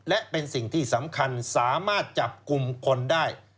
และเป็นสิ่งที่สำคัญสามารถจับกลุ่มคนได้